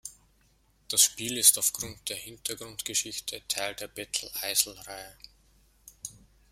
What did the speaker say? Das Spiel ist aufgrund der Hintergrundgeschichte Teil der Battle-Isle-Reihe.